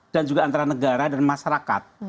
dan juga antara negara dan masyarakat